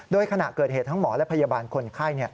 โดยขณะเกิดเหตุทั้งหมอและพยาบาลคนไข้